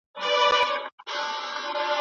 کم خوب اشتها زیاتوي.